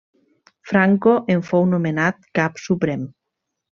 Franco en fou nomenat cap suprem.